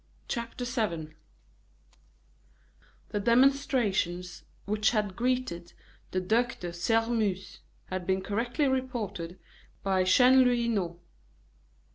CHAPTER VII The demonstrations which had greeted the Duc de Sairmeuse had been correctly reported by Chanlouineau.